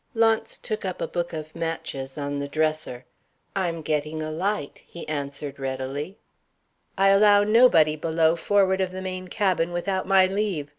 Launce took up a box of matches on the dresser. "I'm getting a light," he answered readily. "I allow nobody below, forward of the main cabin, without my leave.